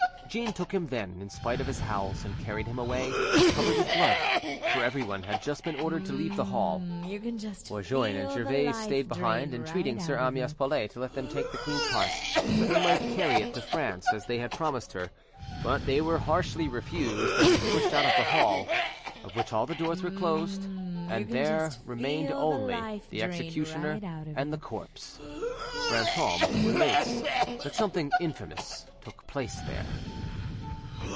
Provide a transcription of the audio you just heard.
Jeanne took him then, in spite of his howls, and carried him away, covered with blood; for everyone had just been ordered to leave the hall. Bourgoin and Gervais stayed behind, entreating Sir Amyas Paulet to let them take the queen's heart, that they might carry it to France, as they had promised her; but they were harshly refused and pushed out of the hall, of which all the doors were closed, and there there remained only the executioner and the corpse. Brantome relates that something infamous took place there!